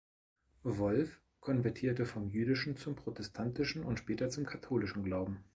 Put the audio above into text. Wolff konvertierte vom jüdischen zum protestantischen und später zum katholischen Glauben.